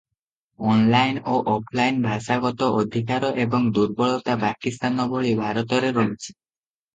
Online ଓ offline ଭାଷାଗତ ଅଧିକାର ଏବଂ ଦୁର୍ବଳତା ବାକି ସ୍ଥାନ ଭଳି ଭାରତରେ ରହିଛି ।